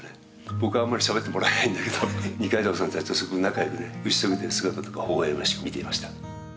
僕はあんまり喋ってもらえないんだけど二階堂さんたちとすぐに仲良くね打ち解けてる姿とかほほ笑ましく見ていました